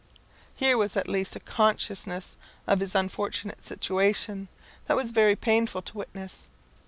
Here was at least a consciousness of his unfortunate situation, that was very painful to witness.